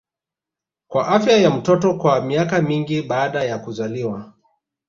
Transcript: kwa afya ya mtoto kwa miaka mingi baada ya kuzaliwa